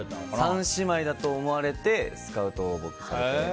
３姉妹だと思われてスカウトをされて。